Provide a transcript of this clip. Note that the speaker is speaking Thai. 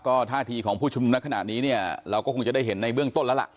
ก็ท่าทีของผู้ชุมนุมในขณะนี้เนี่ยเราก็คงจะได้เห็นในเบื้องต้นแล้วล่ะ